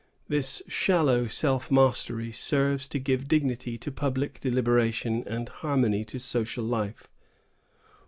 This shallow self mastery serves to give dignity to public deliberation, and harmony to social life.